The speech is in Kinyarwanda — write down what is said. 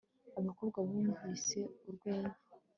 Abakobwa bumvise urwenya